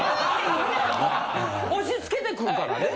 押し付けてくるからね。